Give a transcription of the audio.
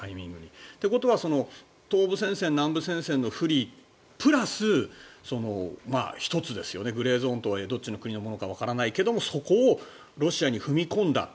ということは東部戦線、南部戦線の不利プラス１つ、グレーゾーンとはいえどっちの国のものかわからないけどそこをロシアに踏み込んだ。